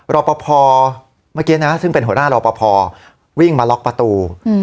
รอปภเมื่อกี้นะซึ่งเป็นหัวหน้ารอปภวิ่งมาล็อกประตู